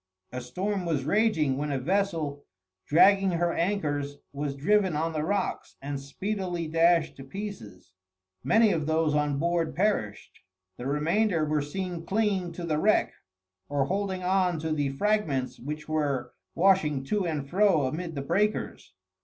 A storm was raging when a vessel, dragging her anchors, was driven on the rocks and speedily dashed to pieces. Many of those on board perished. The remainder were seen clinging to the wreck, or holding on to the fragments which were washing to and fro amid the breakers.